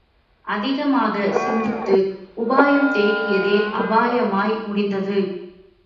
அதிகமாகச் சிந்தித்து — உபாயம் தேடியதே— அபாயமாய் முடிந்தது.